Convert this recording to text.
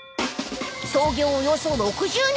［創業およそ６０年］